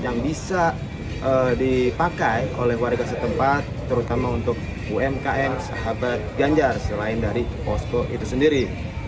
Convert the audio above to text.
yang bisa dipakai oleh warga setempat terutama untuk umkm sahabat ganjar selain dari posko itu sendiri